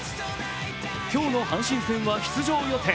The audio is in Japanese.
今日の阪神戦は出場予定。